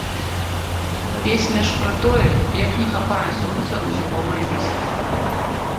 Песня ж пра тое, як не хапае сонца ў зімовыя месяцы.